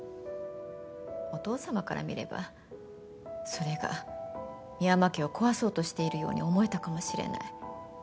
お父さまから見ればそれが深山家を壊そうとしているように思えたかもしれない。